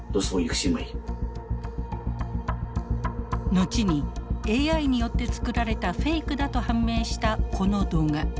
後にＡＩによって作られたフェイクだと判明したこの動画。